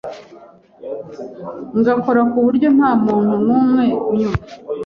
ngakora kuburyo nta muntu numwe unyumva,